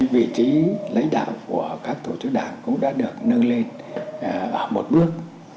vị trí lãnh đạo của các tổ chức đảng cũng đã được nâng lên ở một bước